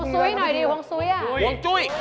เกิดอะไรขึ้น